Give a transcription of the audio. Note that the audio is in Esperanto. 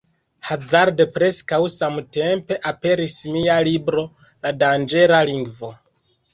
Hazarde, preskaŭ samtempe aperis mia libro La danĝera lingvo.